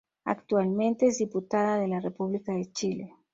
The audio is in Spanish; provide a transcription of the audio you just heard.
Actualmente es diputada de la República de Chile.